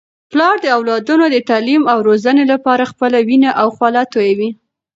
پلار د اولادونو د تعلیم او روزنې لپاره خپله وینه او خوله تویوي.